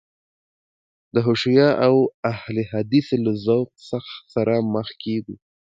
د حشویه او اهل حدیث له ذوق سره مخ کېږو.